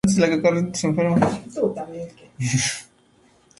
En el mismo año, estableció Steve Green Ministries.